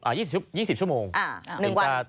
นึงวันประมาณนี้